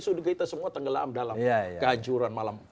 sudah kita semua tenggelam dalam kehajuran malam